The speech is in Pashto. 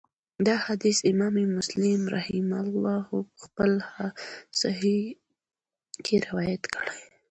دا حديث امام مسلم رحمه الله په خپل صحيح کي روايت کړی